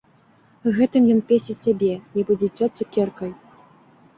Гэтым ён песціць сябе, нібы дзіцё цукеркай.